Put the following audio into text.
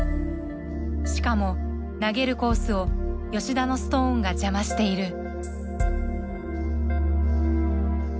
しかも投げるコースを吉田のストーンが邪魔している。